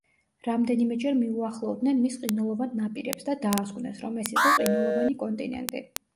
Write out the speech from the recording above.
რამდენიმეჯერ მიუახლოვდნენ მის ყინულოვან ნაპირებს და დაასკვნეს, რომ ეს იყო „ყინულოვანი კონტინენტი“.